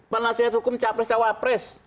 penelusuran hukum capres cawapres